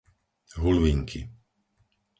Hulvinky